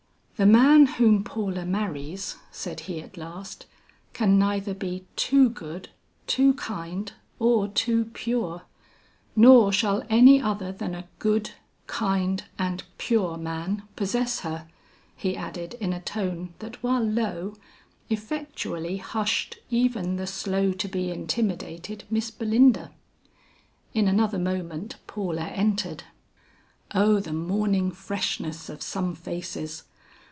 "The man whom Paula marries," said he at last, "can neither be too good, too kind, or too pure. Nor shall any other than a good, kind, and pure man possess her," he added in a tone that while low, effectually hushed even the slow to be intimidated Miss Belinda. In another moment Paula entered. Oh, the morning freshness of some faces!